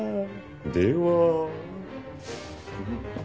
では。